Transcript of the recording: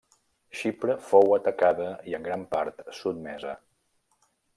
Xipre fou atacada i en gran part sotmesa.